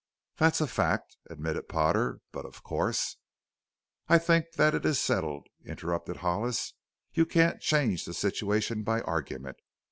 "That's a fact," admitted Potter. "But of course " "I think that is settled," interrupted Hollis. "You can't change the situation by argument.